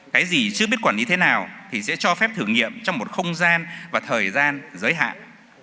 cái gì chưa biết quản lý thế nào thì sẽ cho phép thử nghiệm trong một không gian và thời gian giới hạn